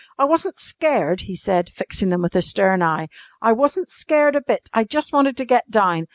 I wasn't scared," he said, fixing them with a stern eye. "I wasn't scared a bit. I jus' wanted to get down.